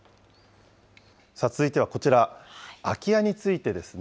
続いてはこちら、空き家についてですね。